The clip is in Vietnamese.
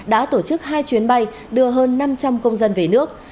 đã tổ chức hai chuyến bay đưa hơn năm trăm linh công dân về nước